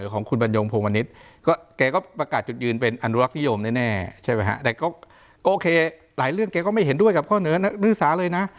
ก็แกก็ประกาศจุดยืนเป็นอันดุลักษณ์นิยมแน่ใช่ไหมฮะแต่ก็โอเคหลายเรื่องแกก็ไม่เห็นด้วยกับข้อเนื้อนรึสาเลยนะ